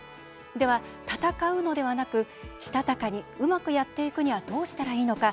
では、闘うのではなくしたたかにうまくやっていくにはどうしたらいいのか。